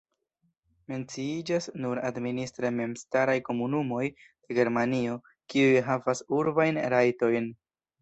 Menciiĝas nur administre memstaraj komunumoj de Germanio, kiuj havas urbajn rajtojn.